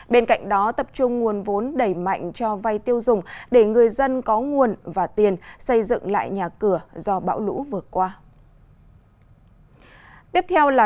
bên cạnh đó tập trung nguồn vốn đầy mạnh cho vay tiêu dùng để người dân có nguồn và tiền xây dựng lại nhà cửa do bão lũ vừa qua